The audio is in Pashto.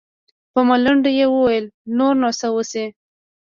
په ملنډو يې وويل نور نو څه وسي.